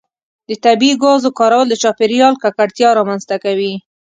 د طبیعي ګازو کارول د چاپیریال ککړتیا رامنځته کوي.